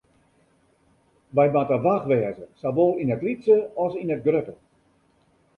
Wy moatte wach wêze, sawol yn it lytse as yn it grutte.